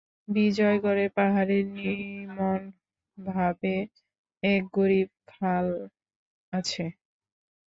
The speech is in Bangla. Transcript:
বিজয়গড়ের পাহাড়ের নিমনভাগে এক গভীর খাল আছে।